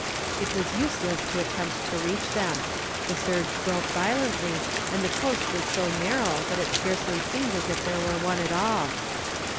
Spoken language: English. It was useless to attempt to reach them. The surge broke violently, and the coast was so narrow that it scarcely seemed as if there were one at all.